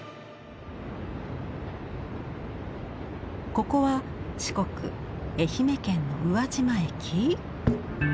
ここは四国愛媛県の宇和島駅？